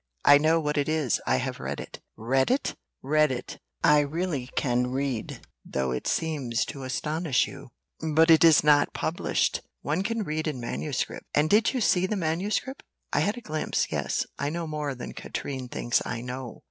I know what it is; I have read it." "Read it!" "Read it! I really can read, though it seems to astonish you." "But it is not published?" "One can read in manuscript." "And did you see the manuscript?" "I had a glimpse. Yes I know more than Katrine thinks I know."